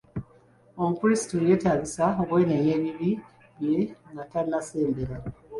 Omukrisitu yeetaagisa okwenenya ebibi bye nga tannasembera.